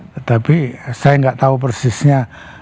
tapi saya gak tahu persisnya